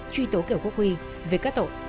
truy tố kiều quốc huy về các tội